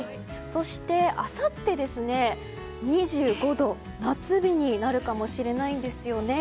そして、あさって２５度と夏日になるかもしれないんですよね。